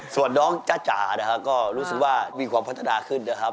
ส่วนน้องจ้านะฮะก็รู้สึกว่ามีความพัฒนาขึ้นนะฮะ